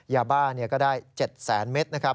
ยาบ้าก็ได้๗๐๐เมตรนะครับ